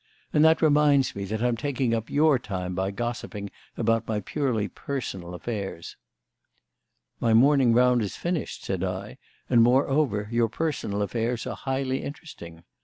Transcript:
And that reminds me that I'm taking up your time by gossiping about my purely personal affairs." "My morning round is finished," said I, "and, moreover, your personal affairs are highly interesting.